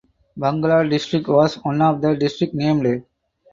Bangala District was one of the districts named.